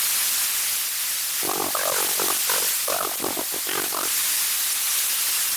The resemblance to the French guillotine is obvious.